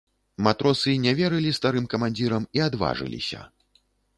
Матросы не верылі старым камандзірам і адважыліся.